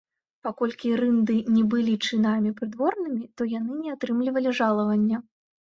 Паколькі рынды не былі чынамі прыдворнымі, то яны не атрымлівалі жалавання.